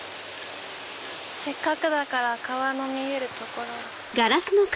せっかくだから川の見える所。